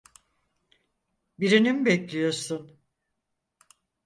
Birini mi bekliyorsun?